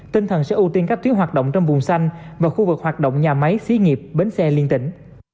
tinh thần sẽ ưu tiên các tuyến hoạt động trong vùng xanh và khu vực hoạt động nhà máy xí nghiệp bến xe liên tỉnh